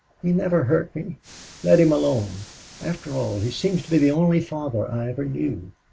He never hurt me. Let him alone. After all, he seems to be the only father I ever knew.